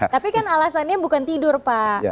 tapi kan alasannya bukan tidur pak